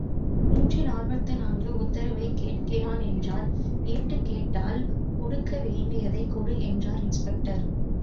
நூற்றி நாற்பத்து நான்கு உத்தரவைக் கேட்கிறான் என்றார் ஏட்டு கேட்டால் கொடுக்க வேண்டியதைக் கொடு என்றார் இன்ஸ்பெக்டர்.